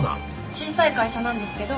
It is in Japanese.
小さい会社なんですけど。